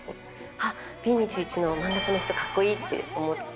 あっ、Ｂ２１の真ん中の人、かっこいい！って思って。